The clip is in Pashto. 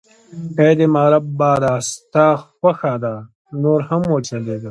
اې د مغرب باده، ستا خوښه ده، نور هم و چلېږه.